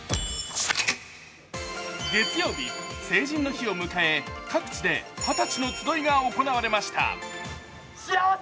月曜日、成人の日を迎え、各地で二十歳の集いが行われました。